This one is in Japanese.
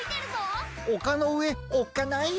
おかのうえおっかない。